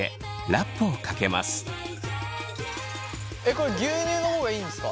これ牛乳の方がいいんですか？